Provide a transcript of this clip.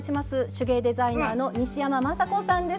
手芸デザイナーの西山眞砂子さんです。